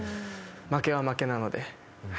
負けは負けなので。